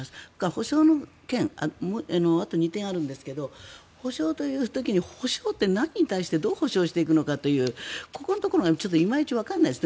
補償の件あと２点あるんですけど補償という時に補償って何に対してどう補償していくのかというここのところがいまいちわかんないです。